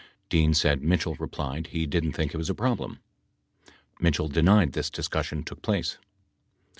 Dean said Mitchell replied he didn't think it was a problem. 21 Mitchell denied this discussion took place.